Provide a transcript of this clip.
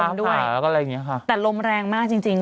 ฟ้าฟ้าอะไรอย่างนี้คะแต่ลมแรงมากจริงจริง